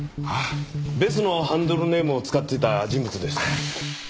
ベスのハンドルネームを使ってた人物です。